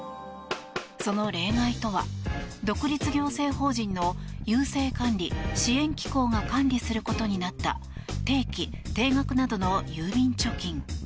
その例外とは独立行政法人の郵政管理・支援機構が管理することになった定期・定額などの郵便貯金。